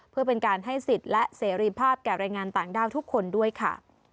เพื่อเป็นการให้สิทธิ์และเสรีภาพแก่แรงงานต่างด้าวทุกคนด้วยค่ะ